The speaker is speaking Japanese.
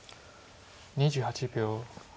２８秒。